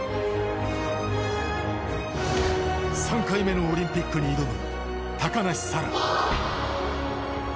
３回目のオリンピックに挑む高梨沙羅。